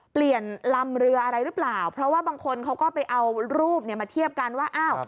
เปลี่ยนลำเรืออะไรหรือเปล่าเพราะว่าบางคนเขาก็ไปเอารูปเนี่ยมาเทียบกันว่าอ้าว